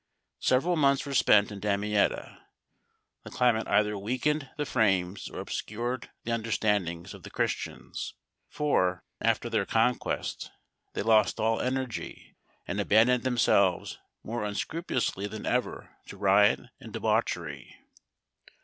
Several months were spent in Damietta. The climate either weakened the frames or obscured the understandings of the Christians; for, after their conquest, they lost all energy, and abandoned themselves more unscrupulously than ever to riot and debauchery.